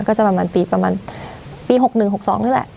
ก็จะประมาณปีประมาณปีหกหนึ่งหกสองนี่แหละ